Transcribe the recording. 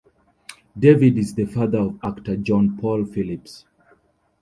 David is the father of actor Jon Paul Phillips.